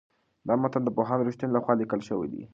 دا متن د پوهاند رښتین لخوا لیکل شوی دی.